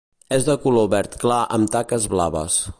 És de color verd clar amb taques blaves.